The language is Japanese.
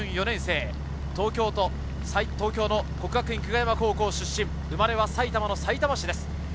４年生、東京の國學院久我山高校出身、生まれは埼玉のさいたま市です。